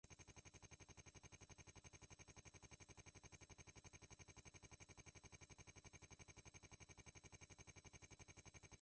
regressivos, informalidade, patina, corroídos, existentes, leque, data-base, negociações